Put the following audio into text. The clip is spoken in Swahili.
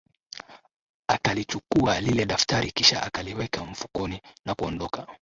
Akalichukua lile daftari kisha akaliweka mfukoni na kuondoka